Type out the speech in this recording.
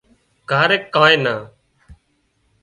ڪاريڪ ڪانئين نا